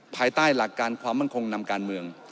ภายใต้หลักการความมั่นคงนำการเมือง